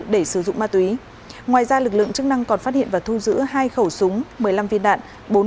để sử dụng ma túy ngoài ra lực lượng chức năng còn phát hiện và thu giữ hai khẩu súng một mươi năm viên đạn